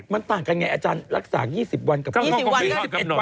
มันต่างกันไงอาจารย์รักษา๒๐วันกับคุณพ่อ